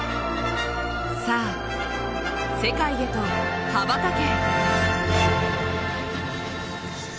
さあ、世界へと羽ばたけ。